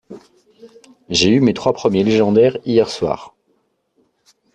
J'ai eu mes trois premiers légendaires, hier soir.